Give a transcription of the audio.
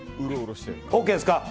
ＯＫですか。